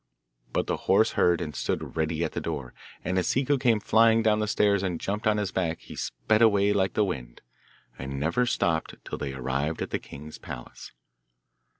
But the horse heard and stood ready at the door, and as Ciccu came flying down the stairs and jumped on his back he sped away like the wind, and never stopped till they arrived at the king's palace.